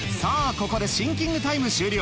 ここでシンキングタイム終了